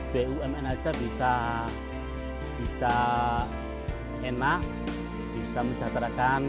bumn saja bisa enak bisa menjatarakan